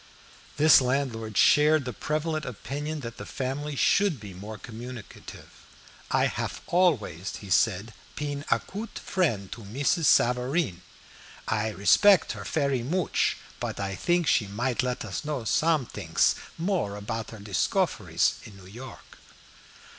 This landlord shared the prevalent opinion that the family should be more communicative. "I haf always," said he, "peen a coot frient to Mrs. Safareen. I respect her fery mooch, put I think she might let us know sometings more apout her discoferies in New York."